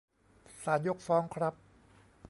ศาลยกฟ้องครับ :'